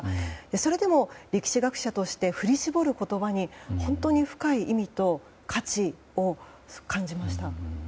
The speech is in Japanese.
それでも、歴史学者として振り絞る言葉に本当に深い意味と価値を感じました。